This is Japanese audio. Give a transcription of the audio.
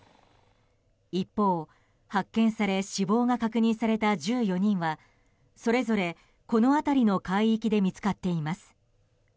一方、発見され死亡が確認された１４人はそれぞれ、この辺りの海域で見つかっています。